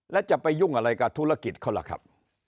แล้วจะไปยุ่งอะไรกับธุรกิจเขาล่ะครับ